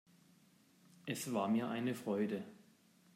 Es war mir eine Freude.